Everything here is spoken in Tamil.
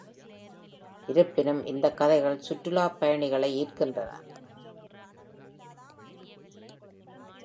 இருப்பினும், இந்த கதைகள் சுற்றுலாப் பயணிகளை ஈர்க்கின்றன.